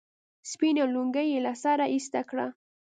سپينه لونگۍ يې له سره ايسته کړه.